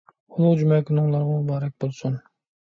ئۇلۇغ جۈمە كۈنۈڭلارغا مۇبارەك بولسۇن!